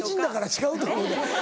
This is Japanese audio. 違うと思うで。